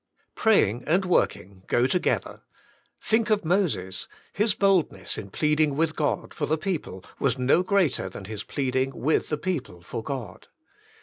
Praying and working go together. Think of Moses — his boldness in pleading with God for the people was no greater than his plead ing with the people for God.